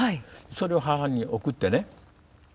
それを母に送ってね